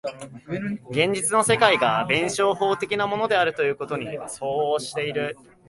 現実の世界が弁証法的なものであるということに相応している。